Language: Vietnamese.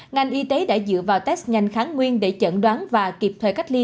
ngành y tế đã dựa vào test nhanh kháng nguyên để chẩn đoán và kịp thời cách ly